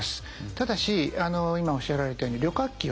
ただし今おっしゃられたように旅客機はですね